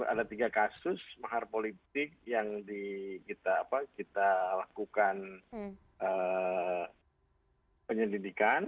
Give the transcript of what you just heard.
ada tiga kasus mahar politik yang kita lakukan penyelidikan